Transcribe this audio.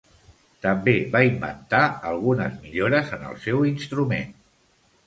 També va inventar algunes millores en el seu instrument.